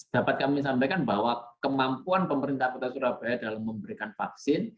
dapat kami sampaikan bahwa kemampuan pemerintah kota surabaya dalam memberikan vaksin